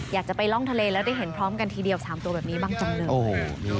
อยากจะไปร่องทะเลแล้วได้เห็นพร้อมกันทีเดียว๓ตัวแบบนี้บ้างจังเลย